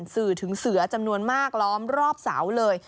สื่อถึงเสือจำนวนมากล้อมรอบเสาเลย